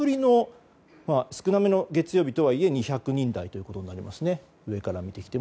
少なめの月曜日とはいえ久しぶりの２００人台ということになりますね。